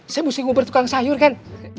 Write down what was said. saya mesti nguber tukang sayur kan